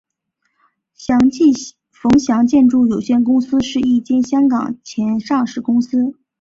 祥记冯祥建筑有限公司是一间香港前上市公司。